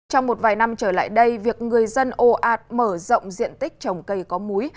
trong một vài năm trở lại đây việc người dân ồ ạt mở rộng diện tích trồng cây có múi